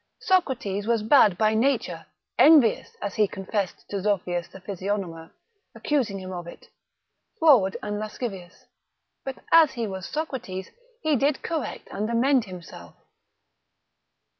Socrates was bad by nature, envious, as he confessed to Zophius the physiognomer, accusing him of it, froward and lascivious: but as he was Socrates, he did correct and amend himself.